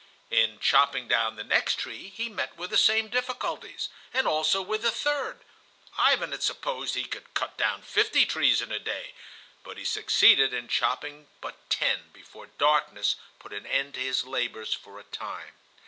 In chopping down the next tree he met with the same difficulties, and also with the third. Ivan had supposed he could cut down fifty trees in a day, but he succeeded in chopping but ten before darkness put an end to his labors for a time.